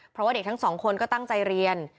เพราะว่าเด็กทั้งสองคนก็ตั้งใจเรียน